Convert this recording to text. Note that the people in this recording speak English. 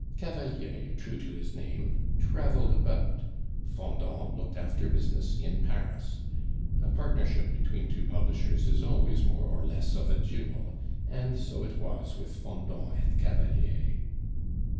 Cavalier, true to his name, traveled about, Fendant looked after business in Paris. A partnership between two publishers is always more or less of a duel, and so it was with Fendant and Cavalier.